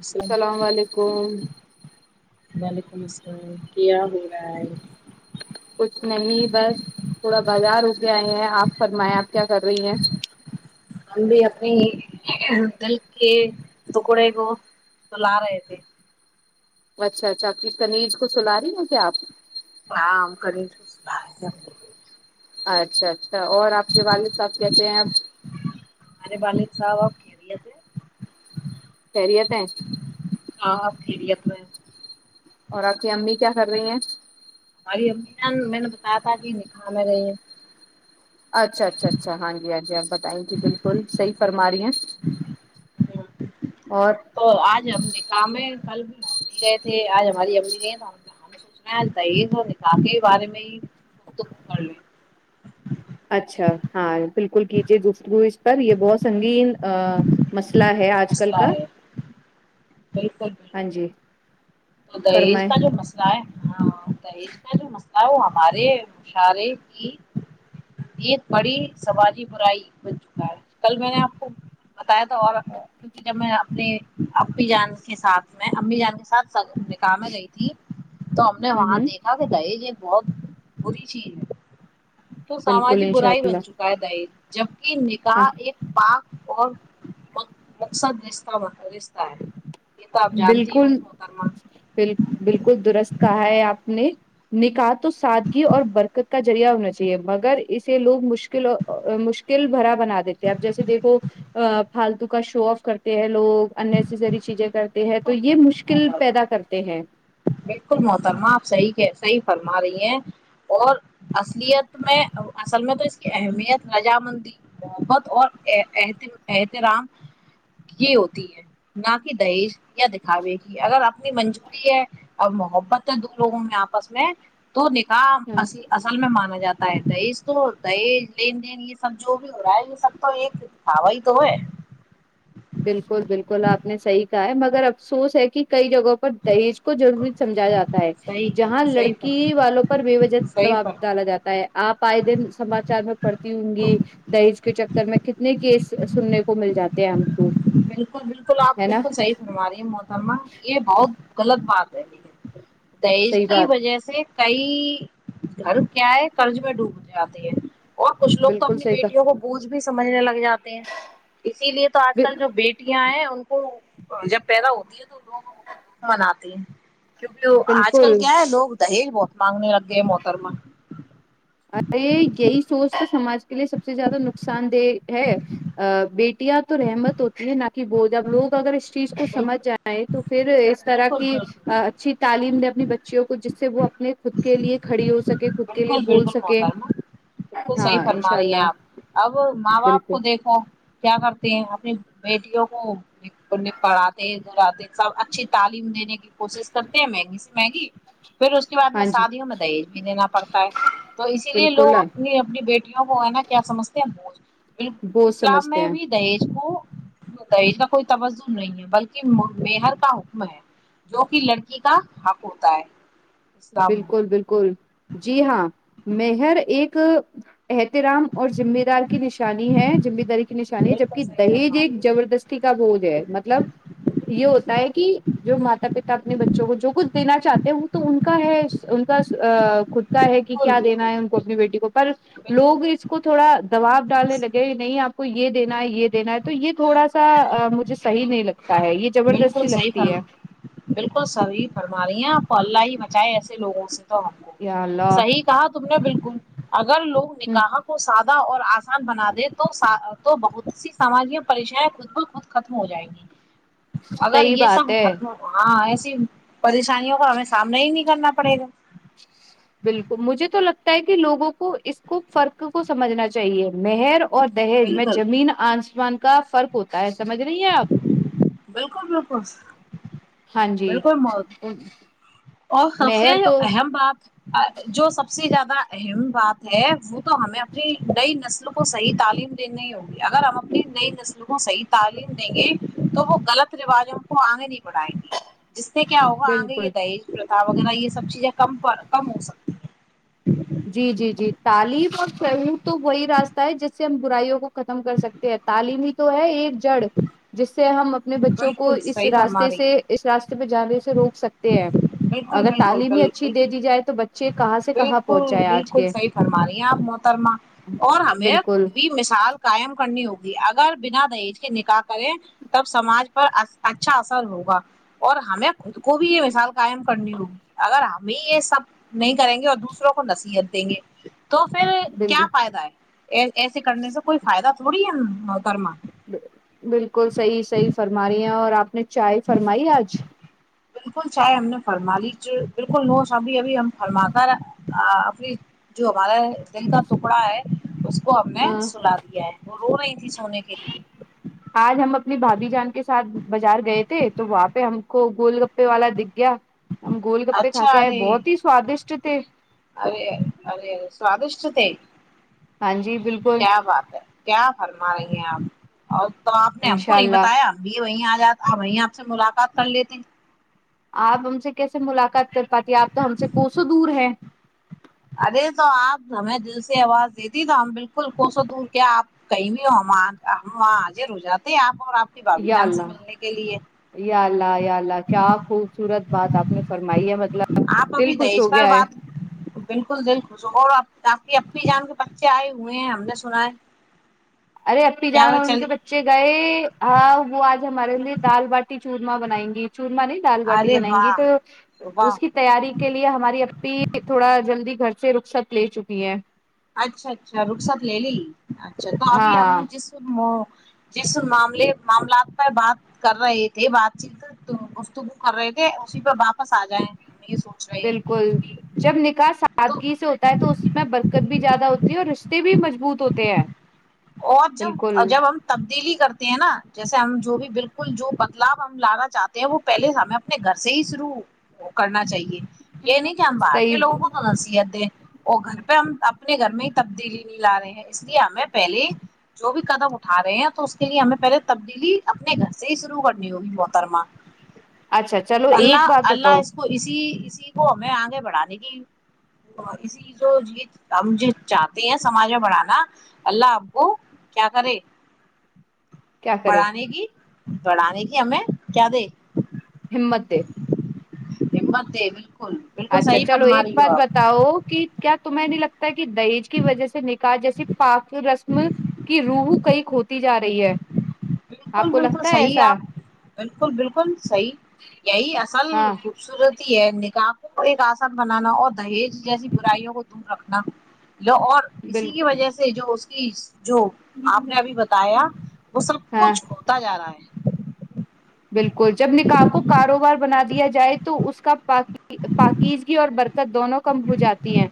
السلام سلام علیکم وعلیکم السلام کیا بول رہا ہے کچھ نہیں بس تھوڑا بازار رک آئے ہیں آپ فرمائیں آپ کیا کر رہی ہیں ہم بھی اپنی دل کے ٹکڑے کو تو لا رہے تھے اچھا اچھا کنیج کو سلا رہی ہیں کیا آپ ہاںم کر ل ب اچھا اچھا اور آپ کے والد صاحب کہتے ہیں اپ ولد سریتے خری اپ اور آپ کی امی کیا کر رہی ہیں ہماری امی میں نے بتایا تھا کہ ن کہا میں رہی یہ اچھا اچھا اچھا ہاں جی ہاں جی آپ بتائیں گی بالکل صحی فرما رہی ہیں اور تو آج ہم نے کام ہے کل بھی بھی گئے تھے آج ہماری امی نہیں ہم ہم سوچنا ہے ت یہ س نکا کے بارے میں ہی تو کر لیں اچھا ہاں بالکل کیجیے گفتگو اس پر یہ بہت سنگین ا م پلا ہے آج کل مسئلہ کا ہے بالکل ہاں بالکل جی تو دہیز فرمائے کا جو مسئلہ ہے ہاں یہج کا لو ن وہ ہمارے مشارے کی ایک بڑی سماجی برائی بن چکا ہے کل میں نے آپ کو بتایا تھا اور کیونکہ جب میں اپنے ابی جان کے ساتھ میں امی جان کے ساتھ نکا میں گئی تھی تو ہم نے ہ وہاں ہ دیکھا کہ د یہ بہت بری چیز ہے تو بالکل ساماجک انشاء برا ہی بن اللہ چکا ہے دہج جپ کی ہاں نکح ایک پاک اور مقصد رہ رشہ ہے یہ تو آپ جانتی ہوی ب بالکل درست کہا ہے آپ نے نکات تو سادگی اور برکت کا جو ریعہ ہونا چاہیے مگر اسے لوگ مشکل مشکل بھرا بنا دیتے ہیں اب جیسے دیکھو فالتو کا شو آف کرتے ہیں لوگ انری چیزیں کر ہیں تو بالکل یہ مشکل بالکل پیدا کرتے ہیں بالکل محترمہ آپ صحیح صحیح فرما رہی ہیں اور ات میں اصل میں تو اہمیت رجامندی محبت اور احترام کی ہوتی ہے نہ کہ دہیش یا دکھاوے گی اگر اپنی منظوری ہے اور محبت دو لوگوں میں آپس میں تو نکاح ہاں اصل میں مانا جاتا دہیز تو دہز لین دین یہ سب جو بھی ہو رہا ہے یہ سب تو ایک تھاوا ہی تو ہے بالکل بالکل آپ نے صحیح ہے مگر افسوس ہے کہ کئی جگہوں پر دہیج کو ضروری سمجھایا جاتا ہے صحیح جہاں صحیح لڑکی فرما والوں پر بے وجہ صحیح دباب ڈالا فرما جاتا ہے آپ پائی دن سماچار میں پڑتی ہوں گی دہج کے چکر میں کتنے کیس سننے کو مل جاتے ہیں ہم ہی بالکل بالکل آپ بالکل صحی فرا رہی ہیں مو سما یہ بہت غلط بات رہنی ہے دہز صحیح کی بات وجہ سے کئی گھر کیا ہے قرض میں ڈوب جاتے ہیں اور کچھ لو تو بالکل اپنی صحیح کہ بیٹیوں کو بوجھ بھی سجھنے لگا جاتے ہیں اسی لیے تو آج کل جو بیٹیاں ہیں ان کو جب پیدا ہوتی ہے تو لوگ مناتے ہیں کیونکہ وہ آج کل بالکل کیا ہے لوگ دہج بہت مانگنے لگے موتر میں ارے یہی سوچ تو سماج کے لیے سب سے زیادہ نقصان دہ ہے بیٹیاں تو رحمت ہوتی ہیں نہ کہ بول اب لوگ اگر اس چیز کو سمجھ بالکل جائیں تو پھر اس طرح بالکل کی بالکل اچھی تعلیم دے اپنی بچیوں کو جس سے وہ اپنے خود کے لیے کھڑی ہو سکے خود کے لیے بالکل بول بالکل سکے بالکل صحیح ہاں فرما انشاء رہی ہیں اللہ آپ اب ماں باپ بالکل کو دیکھو کیا کرتے ہیں اپنی بیٹیوں کو اننے پڑھاے سب اچھی تعلیم دینے کے کوشش کرتے ہیں مہنگی سے مہنگی پھر اس کے بعد میں ہاں جی شادیوں میں دہیج بھی دینا پڑتا ہے تو اسی لیے بالکل لوگ اپنی اپنی بیٹی کو ہے نا کیا سمجتے ہیں بالکل بہت اسلام سمجھتے میں ہیں بھی دہیج کو [unintelligible] کوئی توجن نہیں ہے بلکہ مر کا حکم ہے جو کہ لڑکی کا حق ہوتا ہے اسلام بالکل میں بالکل جی ہاں مر ایک رام اور مہ دار کی نشانی ہے مہ داری کی نشانی ہے بالکل جبک صحیح دہیج فرما رہی ایک ہو جبردستی کا بوج ہے مطلب یہ ہوتا ہے کہ جو ماتا پتا اپنے بچوں کو جو کچھ دینا چاہتے ہو تو ہے ان کا خود کا ہے کہ بالکل کیا دینا ہے بالکل ان کو اپنی بیٹی کو پر لوگ بالکل اس کو تھوڑا دباب ڈالنے لگے نہیں آپ کو یہ دینا ہے یہ دینا ہے تو یہ تھوڑا سا مجھے صح نہیں لگتا ہے یہ بالکل زبردستی صحیح لگتی فرم ہے بالکل صحی فرما رہی ہیںپ تو اللہ ہی مچائے ایسے لوگوں سے تو ہم کو یا اللہ صحیح کہا تم نے بالکل اگر لوگ ہ نکح کو ساتھ اور آسان بنا دے تو تو بہت سی ساماج میں پریشائیں خود ب خود ختم ہو جائیں گی اگر صحیح یہ بات سب ہے ختم ہاں ایس پریشانیوں کا ہمیں سامنا ہی نہیں کرنا پڑے گا بالکل مجھے تو لگتا ہے کہ لوگوں کو اس کو فرق کو سمجھنا چاہیے مہر اور دہیج میں بالکل زمین آنسمان کا فرق ہوتا ہے سمجھ نہیںی ہیں آپ بالکل بالکل ہاں جی بالکل مت اور سبفیا مہر جو تو اہم بات جو سب سے زیادہ اہم بات ہے وہ تو ہمیں اپنی نئی نسلوں کو کو صحیح تعلیم دینی ہوگی اگر ہم اپنی نئی نسل کو صحیح تعلیم دیں گے تو وہ غلط رواجوں کو آگے نہیں بڑھائیں گی جس سے کیا ہوگا آن گے بالکل یہ دہیج وغیرہ یہ سب چیزیں کم کم ہو سکتی ہیں جی جی جی تعلیم اور رور تو وہی راستہ ہے جس سے ہم برائیوں کو ختم کر سکتے ہیں تعلیمی ہی تو ہے ایک جڑ جس سے ہم اپنے بچوں کو بالکل اس صحیح فرما راستے رہی سے ہیں اس راستے بجاوے سے روک سکتے بالکل اگر بالکل تعلیم ہی بالکل اچھی دے دی جائے تو بچ یہ کہاں سے کہاں پہنچ بالکل جائیں آج بالکل کے صحیح فرما رہی ہیں آپ محترما اور ہمیں خود بالکل بھی مثال قائم کرنی ہوگی اگر بنا دہج کے نکاح کریں تب سماج پر اچھا اثر ہوگا اور ہمیں خود کو بھی یہ مثال قائم کرنی ہوگی اگر ہمیں یہ سب نہیں کریں گے اور دوسروں کو نصیحت دیں گے تو پھر کیا بالکل فائدہ ہے ایسے کرنے سے کوئی فائدہ تھوڑی ہے گرما بالکل صحیح صحیح فرم رہ ہیں اور آپ نے چائے فرمائی آج بالکل چاہے ہم نے فرما لی بالکل نوش ابھی ابھی ہم فرما کر اپنی جو ہمارے دل کا ٹکڑا ہے اس کو ہم نے ہاں، سلا دیا ہے وہ رہئی آج ہم اپنی بھابھی جان کے ساتھ بازار گئے تھے تو وہاں پہ ہم کو گول گپے والا گیا ہم گول گپے کھا کے آئے بہت ہی سوادشٹ پچتے ارےرے سوادشٹتے ہاں جی بالکل کیا بات ہے کیا فرم رہی ہیں آپ اور تو آپ نے ہم کو انشاء نہیں اللہ بتایا اب وہی آج اب وہیں آپ سے ملاقات کر لیتے آپ ہم سے کیسے ملاقات کر پاتی ہے آپ تو ہم سے کون سو دور ہیں ارے تو آپ ہمیں دل سے آواز دیتی تو ہم بالکل کو سو دور کیا آپ کہیں بھی ہو ہم وہاں آجر ر جاتے آپ اور آپ کی بھابھی یا جان سے لا ملنے کے لیے یا لا یا لا کیا خوبصورت بات آپ نےوا آپ ابھی دہیش ب بات بالکل دل خوش ہو اور آپ باقی اب بھی جان کے بچے آئے ہوئے ہیں ہم نے سنا ہے ارے اپی کیا جان وہ اور ان چلی کے بچے گئے ہاں وہ آج ہمارے لیے دال باٹی چورمہ بنائیں گی چورم نہیں دال باٹی ارے بنائیں گی تو واہ واہ اس کی تیاری کے لیے ہماری اپی تھوڑا جلدی گھر پ رخصت لے چکی ہے اچھا اچھا رخصات لے لی اچھا تو ابھی ہم ہاں جس جس معاملے معاملات پہ بات کر رہے تھے بات چیت گفگو کر رہے تھے اسی پہ واپس آ جائےیں بالکل جب نکاح تو سادگی سے ہوتا ہے تو اس میں برکت بھی زیادہ ہوتی ہے اور رشتے بھی مضبوط ہوتے ہیں اور جب بالکل جب ہم تبدیلی کرتے ہیں نا جیسے ہم جو بھی بالکل جو بدلاؤ ہم لانا چاہتے ہیں وہ پہلے ہمیں اپنے گھر سے ہی شروع کرنا چاہیے یہ نہیں کہ ہم باہر کے صحیح لوگوں کو تو نصیحت دے وہ گھر پہ ہم اپنے گھر میں ہی تبدیلی نہیں لا رہے ہیں اس لیے ہمیں پہلے جو بھی قدم اٹھا رہے ہیں تو اس کے لیے ہمیں پہلے تبدیلی اپنے گھر سے ہی شروع کرنی ہوگی موحترما اچھا چلو ایک بات بتاؤ اس کو اسی اسی کو ہمیں آگے بڑھانے کی اسی جو ہم جو چاہتے ہیں سماج میں بڑھانا اللہ آپ کو کیا کرے کیا کرے بڑھانے کی پڑھانے کی ہمیں کیا دے ہممتے ہممت اچھا چلو ایک بات بتاؤ کہ کیا تو میں نہیں لگتا ہے کہ دہیج کی وجہ سے نکاح جیسی پاک رسم کی روحو کئی کھوتی جا رہی ہے بالکل آپ کو بالکل لگتا ہے صحیح ایسا آپ بالکل بالکل صحیح یہی اصل ہاں خوبصورت نکاح کو کو ایک آسان بنانا اور دہیج جیسی برائیوں کو دور رکھنا و اور اسی کی بالکل وجہ سے جو تیس جو آپ نے ابھی بتایا وہ سب ہاں کچھ ہوتا جا رہا ہے بالکل جب نکاح کو کاروبار بنا دیا جائے تو اس کا پی پاکیزگی اور برکت دونوں کم ہو جاتی ہے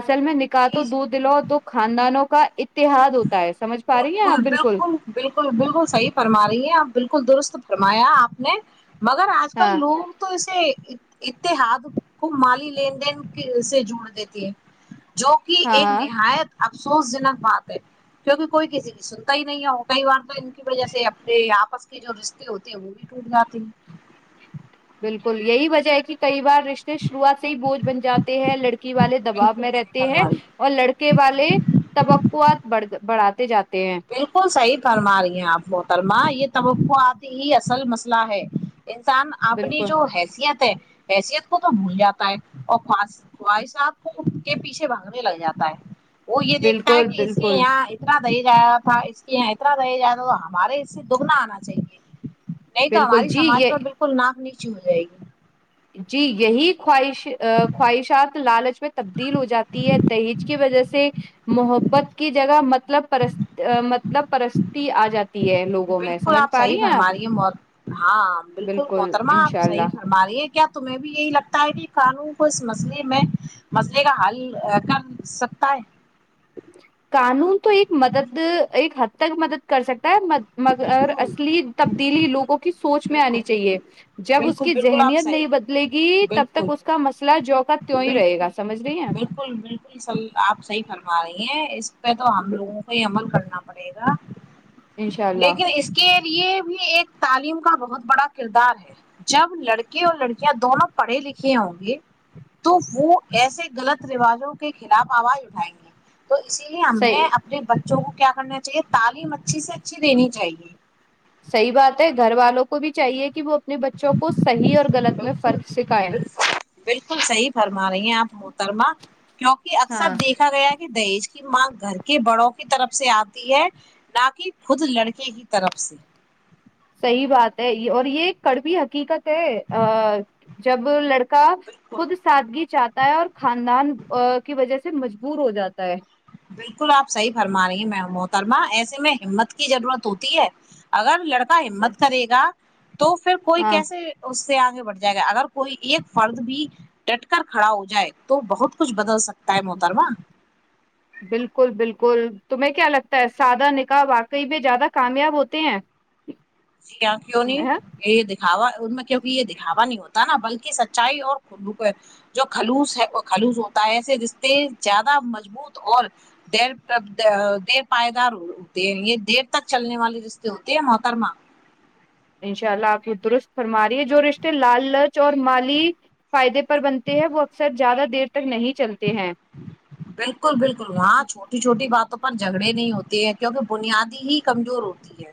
اصل میں نکال جی تو جی دودھ دلو تو خاندانوں کا ا اتحاد ہوتا ہے سمجھ پا رہی ہیں آپ بالکل بالکل بالکل بالکل صحی فرما رہی ہے آپ بالکل ل درست فرمایا آپ نے مگر آج ہاں کل لوگ تو ایسے اتحاد کو مالی لین دین سے جوڑ دیتی ہے جو کہ ہاں ایک ہاں نہایت س اس زنت باتے کیونکہ کوئی کسی کی سنتا ہی نہیں ہو کئی بار تو ان کی وجہ سے اپنے آپس کے جو رشتے ہوتے ہیں وہ بھی ٹوٹ جاتے ہیں بالکل یہی وجہ ہے کہ کئی بار رشتے شروعات سے ہی بوجھ بن جاتے ہیں لڑکے ی والے دباؤ بالکل میں صحیح رہتے ہیں فرما رہی اور لڑکے والے توقوعات بڑ بڑھاتے جاتے ہیں بالکل صحب کرما رہی ہیں آپ محترما یہ توقعتی ہی اصل مسئلہ ہے انسان اپنی بالکل جو حیثیت ہے حیثیت کو تو بھول جاتا ہے اور خواہ خواہشب کو کے پیچھے بھاگنے لگ جاتا ہے وہ یہ دیکھتا ہے بالکل کہ اس سے بالکل یہاں اتنا صی ہے اس کے یہاں اتنا رہ جائے تو تو ہمارے اس سے دگنا آنا چاہیے نہیں تو بالکل ہماری جی سماج یہ میں بالکل ناک ا ہو جائے گی جی یہی خواہش خواہشات لالچ میں تبدیل ہو جاتی ہے دہیج کی وجہ سے محبت کی جگہ مطلب پرست مطلب پرستی آ جاتی ہے لوگوں میں بالکل سمجھ آپ پا صحیح ہیں فرما آپ رہی ہیں ہاں بالکل محترمہ آپ انشاء صحیح اللہ فرما رہی ہیں کیا تمہیں بھی یہی لگتا ہے کہ قانون کو اس مسئلے میں مسئلے کا حل کر سکتا ہے قانون تو ایک مدد ایک حد تک مدد کر سکتا مگر بالکل اصلی تبدیلی لوگوں کی س سوچ میں بالکل آنی چاہیے بالکل جب اس بالکل کی بالکل آپ ذہنیت صحیح نہیں بدلے گی تب بالکل تک اس کا مسئلہ جو کا تیوں ہی رہے بالکل گا سمجھ رہی ہیں بالکل بالکل سر آپ صحیح فرما آ ہے اس تو ہم لگوں کو ہی عمل کرنا منی گا انشاء اللہ لیکن اس کے یہ بھی ایک تعلیم کا بہت بڑا کردار ہے جب لڑکے اور لڑکیاں دونوں پڑھے لکھے ہوں گے تو وہ ایسے غلط رواجوں کے خلاف آواز اٹھائیں گے تو اسی لیے ہم صحیح نے اپنے ب بچوں کو کیا کرنا چاہیے تعلیم اچھی سے اچھی دینی چاہیے صحی بات ہے گھر والوں کو بھی چاہیے کہ وہ اپنے بچوں کو صحیح اور غلط میں بکل فرق سکھائے ب بالکل صحی فرما رہی ہیں آپ محترما کیونکہ اکثر ہاں دیکھا گیا ہے کہ دہیج ماں گھر کے بڑوں کی طرف سے آتی ہے نہ کہ خود لڑکے کی طرف سے صحیح بات ہے یہ اور یہ ایک کڑبی حقیقت ہے جب لڑک کا بالکل خود سادگی چاہتا اور خاندان کی وجہ سے مجبور ہو جاتا ہے بالکل آپ صحیح فرما رہی میں محترما ایسے میں ہمت کی ضرورت ہوتی ہے اگر لڑک کا ہمت کرے گا تو پھر کوئی ہاں کیسے سے آگے بڑھ جائے گا اگر کوئی ایک فرد بھی ٹ کر کھڑا ہو جائے تو بہت کچھ بدل سکتا ہے محترما بالکل بالکل تمہیں کیا لگتا ہے سادہ نکاح واقعی بھی زیادہ کامیاب ہوتے ہیں جاں کیوں نہیں یہ دکھاوا ان میں کیکہ یہ دکھاوا نہیں ہوتا ہوتا نا بلکہ سچائی اور کو جو خلوس ہے خلوص ہوتا ہے ایسے رشتے زیادہ مضبوط اور دیر دیر پائیدار ہوتے ہیں یہ دیر تک چلنے والے رشتے ہوتے ہیں محترما انشاء اللہ آپ کو درست فرما رہی ہے جو رشتے لال لچ اور مالی فائدے پر بنتے ہیں وہ اکثر زیادہ دیر تک نہیں چلتے ہیں بالکل بالکل وہاں چھوٹی چھوٹی بات پر جھگڑے نہیں ہوتے ہیں کیونکہ بنیادی ہی کمزور ہوتی ہے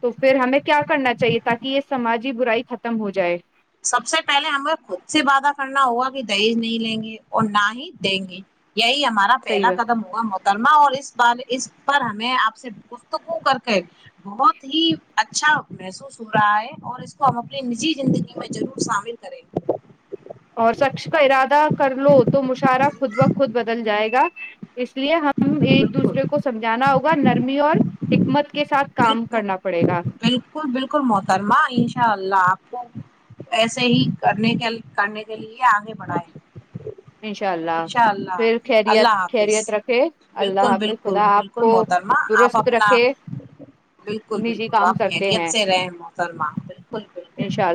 تو پھر ہمیں کیا کرنا چاہیے تاکہ یہ سماجی برائی ختم ہو جائے سب سے پہلے ہمیں خود سے وعدہ کرنا ہوگا کہ دہیز نہیں لیں گے اور نہ ہی دیں گے یہی ہمارا صحیح پہلا بات قدم ہوا م کرما اور اس بار اس پر ہمیں آپ سے گفتگو کر کے بہت ہی اچھا محسوس ہو رہا ہے اور اپنی نجی زندی ضرور شامل کریں اور سکچ کا ارادہ کر لو تو مشعرہ خود بخود بدل جائے گا اس لیے ہم ایک دوسرے بالکل کو سمجھانا نرمی اور حکمت کے ساتھ کام بالکل کرنا پڑ بالکل بالکل محترما انشاء اللہ ایسے ہی کرنے کے کرنے کے لیے آگے بڑھاائے انشاء اللہ انشاء اللہ پھر خیریت اللہ حافظ خیریت رکھے اللہ بالکل حافظ بالکل خدا آپ بالکل کو محترمہ آپ درست اپنا رکھے بالکل نجی بالکل کام آپ کرتے خریت ہیں سے رہیں محترمہ بالکل بالکل انشاء اللہ